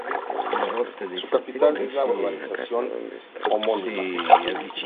Su capital es la urbanización homónima.